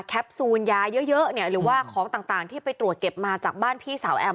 ซูลยาเยอะเนี่ยหรือว่าของต่างที่ไปตรวจเก็บมาจากบ้านพี่สาวแอม